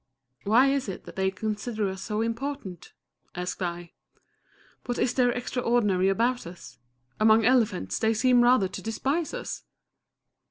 "Why is it that they consider us so important?" asked I. "What is there extraordinary about us? Among elephants they seem rather to despise us!"